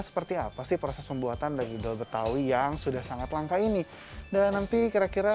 seperti apa sih proses pembuatan daging dol betawi yang sudah sangat langka ini dan nanti kira kira